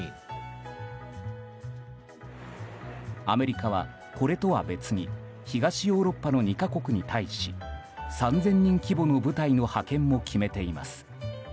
アメリカはこれとは別に東ヨーロッパの２か国に対し３０００人規模の部隊の派遣を決めています。